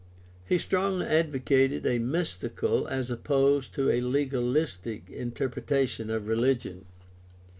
He strongly advocated a mystical, as opposed to a legalistic, interpretation of religion.